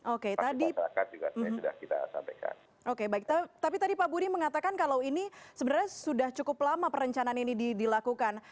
oke tadi pak budi mengatakan kalau ini sebenarnya sudah cukup lama perencanaan ini dilakukan